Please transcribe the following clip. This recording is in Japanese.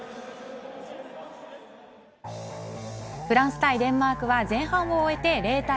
フランス対デンマークは前半を終えて０対０。